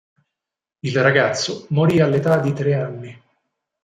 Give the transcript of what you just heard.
Il ragazzo morì all'età di tre anni.